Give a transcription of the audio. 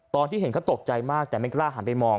ตอนที่เห็นเขาตกใจมากแต่ไม่กล้าหันไปมอง